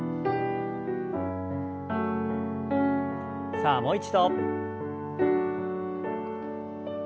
さあもう一度。